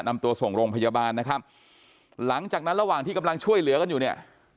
นำตัวส่งโรงพยาบาลนะครับหลังจากนั้นระหว่างที่กำลังช่วยเหลือกันอยู่เนี่ย